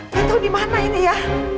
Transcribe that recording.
gak tau dimana ini ya